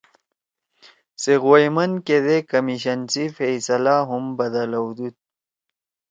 سےغوئیمن کیدے کمیشن سی فیصلہ ہُم بَدلؤدُود